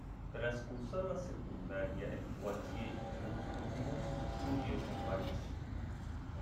Tras cursar la secundaria en Poitiers y Tours continuó sus estudios en París.